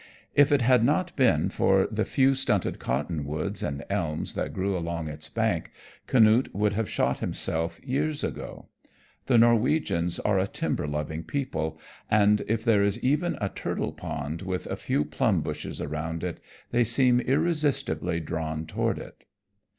If it had not been for the few stunted cottonwoods and elms that grew along its banks, Canute would have shot himself years ago. The Norwegians are a timber loving people, and if there is even a turtle pond with a few plum bushes around it they seem irresistibly drawn toward it.